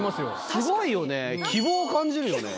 すごいよね。